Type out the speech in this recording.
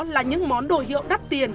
là những món đồ hiệu đắt tiền